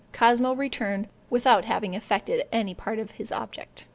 Cosmo returned without having effected any part of his object.